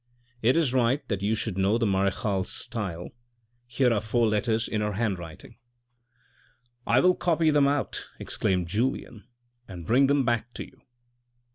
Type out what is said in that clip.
It is right that you should know the marechale's style ; here are four letters in her hand writing." " I will copy them out," exclaimed Julien, " and bring them back to you."